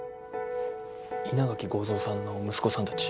稲垣剛蔵さんの息子さんたち。